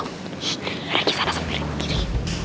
shhh ray kesana sambil kiri